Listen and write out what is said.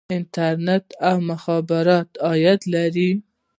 انټرنیټ او مخابرات عاید لري